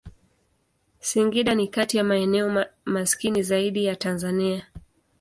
Singida ni kati ya maeneo maskini zaidi ya Tanzania.